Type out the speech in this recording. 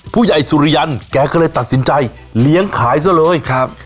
ผู้ใหญ่สุริยันแกก็เลยตัดสินใจเลี้ยงขายซะเลยครับ